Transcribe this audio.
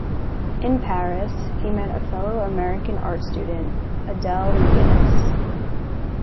In Paris, he met a fellow American art student, Adele McGinnis.